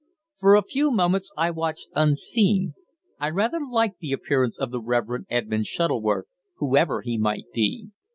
For a few moments I watched unseen. I rather liked the appearance of the Reverend Edmund Shuttleworth, whoever he might be.